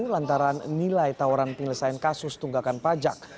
lantaran nilai tawaran penyelesaian kasus tunggakan pajak